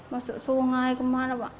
masuk sungai kemana pak